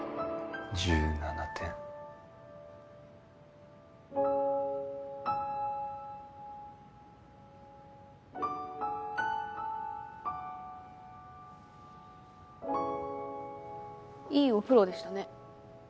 １７点いいお風呂でしたね